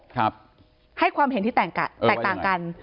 ครับให้ความเห็นที่แตกต่างกันเออว่าอย่างไหน